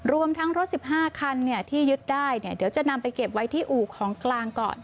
รวมทั้งรถ๑๕คันที่ยึดได้เดี๋ยวจะนำไปเก็บไว้ที่อู่ของกลางก่อน